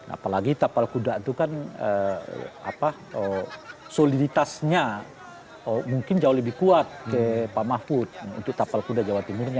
apalagi tapal kuda itu kan soliditasnya mungkin jauh lebih kuat ke pak mahfud untuk tapal kuda jawa timurnya